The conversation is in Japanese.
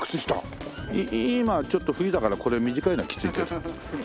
今はちょっと冬だからこれ短いのはきついけど。